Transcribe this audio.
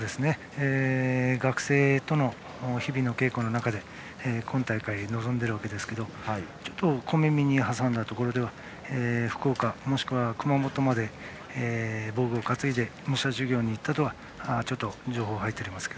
学生との日々の稽古の中で今大会に臨んでいますがちょっと小耳に挟んだところでは福岡もしくは熊本まで防具を担いで武者修行に行ったという情報が入っております。